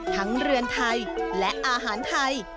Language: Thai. เรือนไทยและอาหารไทย